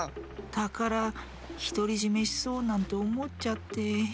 たからひとりじめしそうなんておもっちゃって。